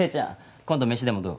今度飯でもどう？